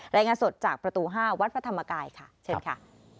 รายงานสดจากประตู๕วัดพระธรรมกายค่ะเชิญค่ะ